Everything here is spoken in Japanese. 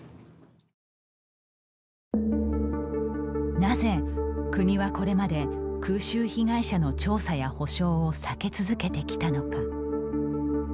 なぜ国はこれまで空襲被害者の調査や補償を避け続けてきたのか。